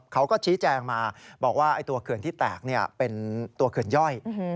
เขาก็ชี้แจงมาบอกว่าตัวเขื่อนที่แตกเป็นตัวเขื่อนย่อย